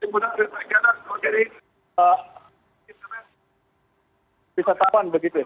warnanya maksudnya bisa visitawan begitu seat